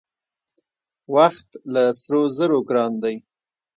وخت له سرو زرو ګران دی .